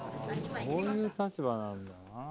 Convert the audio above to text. こういう立場なんだな。